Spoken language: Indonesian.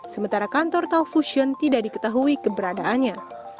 sementara kantor taufusion tidak diketahui keberadaannya